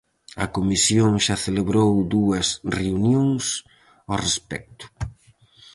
A comisión xa celebrou dúas reunións ó respecto.